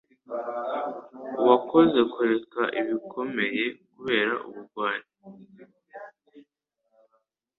uwakoze kureka bikomeye kubera ubugwari